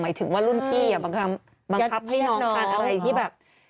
บังคับให้น้องการอะไรที่แบบ